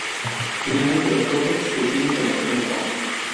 Finalmente, los Rockets se hicieron con el triunfo.